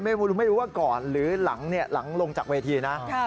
ไม่รู้ว่าก่อนหรือหลังลงจากเวทีนะ